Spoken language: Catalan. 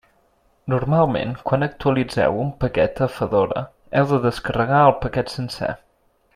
Normalment, quan actualitzeu un paquet a Fedora, heu de descarregar el paquet sencer.